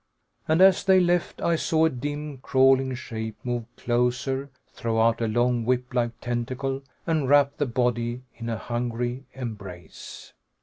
And as they left I saw a dim, crawling shape move closer, throw out a long, whiplike tentacle, and wrap the body in a hungry embrace.